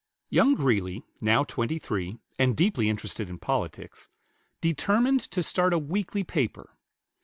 Young Greeley, now twenty three, and deeply interested in politics, determined to start a weekly paper.